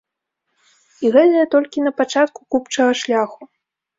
І гэта я толькі на пачатку купчага шляху.